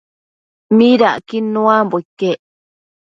midacquid nuambo iquec?